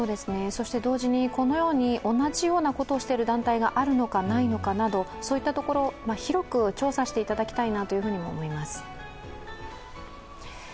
そして同時に、このように同じようなことをしている団体があるのかないのか、広く調査していただきたいと思います。